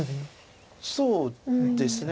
そうですね。